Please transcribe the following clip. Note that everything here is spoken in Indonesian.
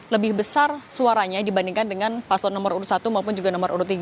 lebih besar suaranya dibandingkan dengan paslon nomor urut satu maupun juga nomor urut tiga